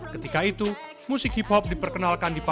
ketika itu musik hip hop diperkenalkan di papua